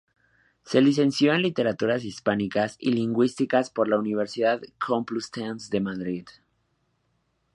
Se licenció en Literaturas Hispánicas y Lingüística por la Universidad Complutense de Madrid.